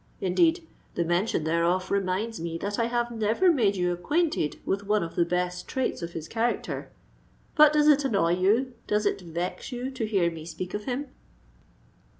Indeed, the mention thereof reminds me that I have never made you acquainted with one of the best traits in his character. But does it annoy you,—does it vex you to hear me speak of him?"